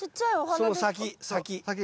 その先先。